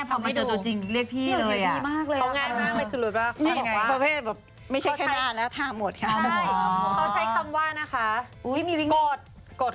เรียกพี่เมื่อกี้บอกรุ่นแม่พอมาเจอตัวจริงเรียกพี่เลยอ่ะ